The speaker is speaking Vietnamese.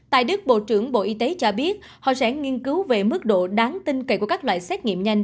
tại đức bộ trưởng bộ y tế cho biết họ sẽ nghiên cứu về mức độ đáng tin cậy của các loại xét nghiệm nhanh